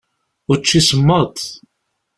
Učči semmeḍ.